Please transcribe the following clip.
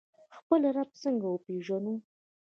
خپل رب څنګه وپیژنو؟